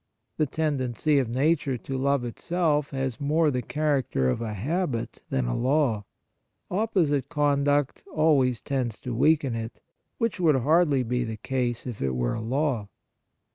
The tendency of nature to love itself has more the character of a habit 38 Kindness than a law. Opposite conduct always tends to weaken it, which would hardly be the case if it were a law.